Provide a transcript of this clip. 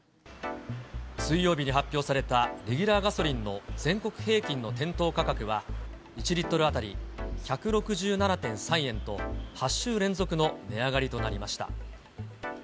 水曜日に発表されたレギュラーガソリンの全国平均の店頭価格は１リットル当たり１６７．３円と、８週連続の値上がりとなりました。